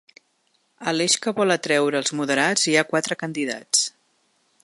A l’eix que vol atreure els moderats hi ha quatre candidats.